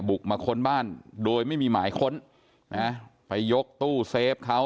บุกมาค้นบ้านโดยไม่มีหมายค้นนะไปยกตู้เซฟเขา